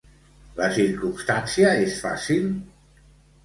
La circumstància és fàcil?